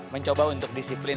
mencoba untuk disiplin